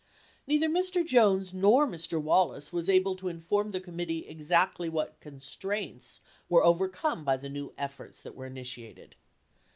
Neither Mr. Jones nor Mr. Wallace was able to inform the com mittee exactly what "constraints" were overcome by the "new efforts" that were initiated.